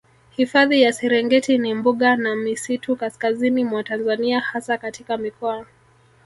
Hifadhi ya Serengeti ni mbuga na misitu kaskazini mwa Tanzania hasa katika mikoa